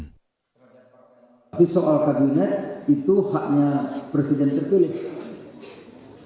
tapi soal kabinet itu haknya presiden terpilih